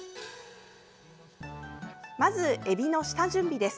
まず、えびの下準備です。